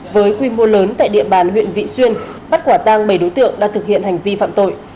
với quy mô lớn tại địa bàn huyện vị xuyên bắt quả tang bảy đối tượng đang thực hiện hành vi phạm tội